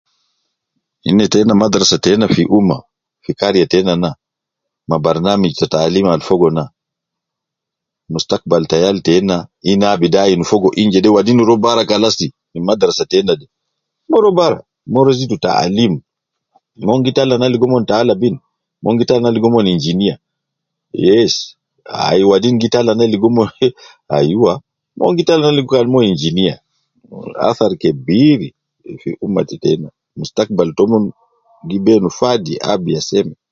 Ina tena madrasa tena fi umma, fi kariya tena na, ma barnamij ta taalim al fogo na, mustakbal ta yal tena ina abidu ayin fogo in jede wadin rua bara kalas, fi madrasa tena de, mon rua bara, mon rua zidu taalim, mon gi tala na ligo mon ta alab in, mon gi tala na ligo omon engineer ,yes, ai wadin gi tala na ligo omon heh ai wa, mon gi tala na ligo omon kala engineer ,wu athar kebiri, fi ummat tena, mustakbal tomon gi ben fadi abiya seme